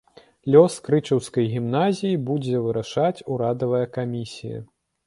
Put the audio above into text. Лёс крычаўскай гімназіі будзе вырашаць ўрадавая камісія.